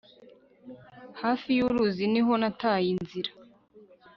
Hafi yuruzi niho nataye inzira